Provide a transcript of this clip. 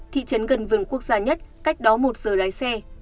thị trấn gần vườn quốc gia nhất cách đó một giờ lái xe